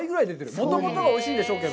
もともとがおいしいんでしょうけど。